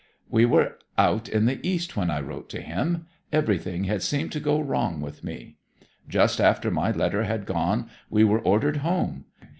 'We were out in the East when I wrote to him. Everything had seemed to go wrong with me. Just after my letter had gone we were ordered home.